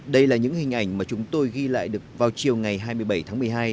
đây là những hình ảnh mà chúng tôi ghi lại được vào chiều ngày hai mươi bảy tháng một mươi hai